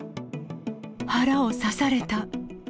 腹を刺された。